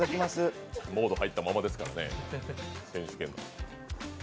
モード入ったままですからね、選手権の。